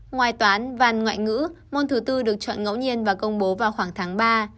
ngoài toán văn ngoại ngữ môn thứ tư được chọn ngẫu nhiên và công bố vào khoảng tháng ba